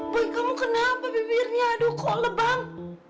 boy kamu kenapa bibirnya aduk kok lebang